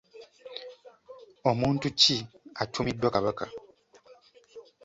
Omuntu ki atumiddwa Kabaka?